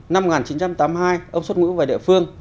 năm một nghìn chín trăm tám mươi hai ông xuất ngũ về địa phương